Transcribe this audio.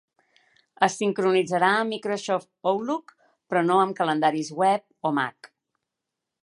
Es sincronitzarà amb Microsoft Outlook, però no amb calendaris web o Mac.